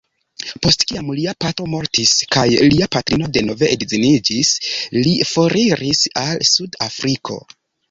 Post kiam lia patro mortis kaj lia patrino denove edziniĝis, li foriris al Sud-Afriko.